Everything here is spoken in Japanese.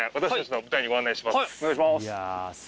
はいお願いします。